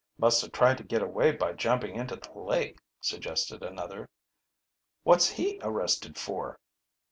"Must have tried to get away by jumping into the lake," suggested another. "What's he arrested for?"